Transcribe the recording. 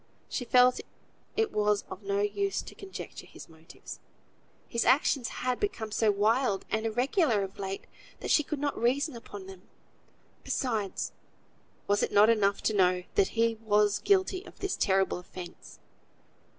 She felt it was of no use to conjecture his motives. His actions had become so wild and irregular of late, that she could not reason upon them. Besides, was it not enough to know that he was guilty of this terrible offence?